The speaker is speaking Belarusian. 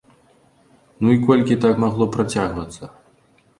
Ну і колькі так магло працягвацца?!